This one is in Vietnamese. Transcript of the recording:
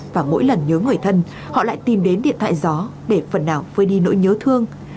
và mỗi lần nhớ người thân họ lại tìm đến điện thoại gió để phần nào phơi đi nỗi nhớ thương